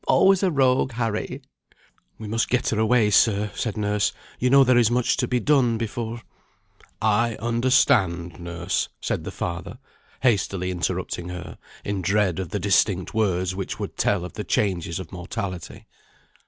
Always a rogue, Harry!" "We must get her away, sir," said nurse; "you know there is much to be done before " "I understand, nurse," said the father, hastily interrupting her in dread of the distinct words which would tell of the changes of mortality.